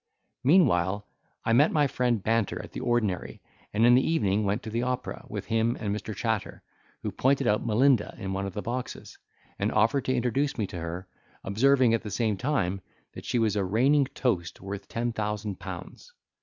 Meanwhile I met my friend Banter at the ordinary, and in the evening went to the Opera with him and Mr Chatter, who pointed out Melinda in one of the boxes, and offered to introduce me to her, observing at the same time, that she was a reigning toast worth ten thousand pounds.